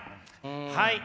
はい。